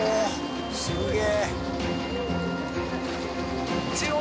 すげえ！